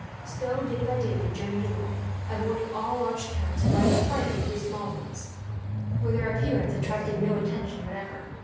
So day by day they journeyed along, avoiding all large towns, and riding quietly through small ones, where their appearance attracted no attention whatever.